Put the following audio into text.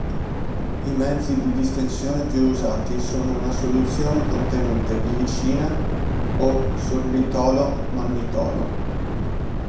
I mezzi di distensione più usati sono una soluzione contenente glicina o sorbitolo-mannitolo.